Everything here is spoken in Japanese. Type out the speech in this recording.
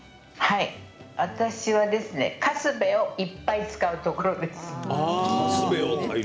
私は、カスベをいっぱい使うところです。